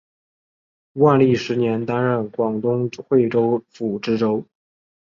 万历十年担任广东惠州府知府。